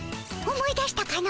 思い出したかの？